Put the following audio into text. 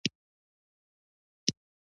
په هفتو کي یې آرام نه وو لیدلی